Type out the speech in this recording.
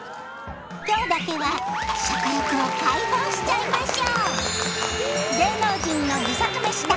今日だけは食欲を解放しちゃいましょう！